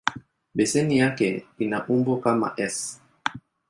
Beseni yake ina umbo kama "S".